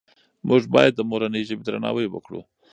موږ باید د مورنۍ ژبې درناوی وکړو.